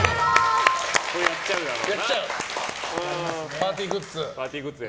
パーティーグッズ。